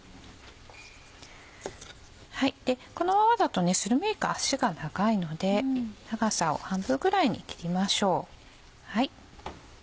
このままだとするめいか足が長いので長さを半分ぐらいに切りましょう。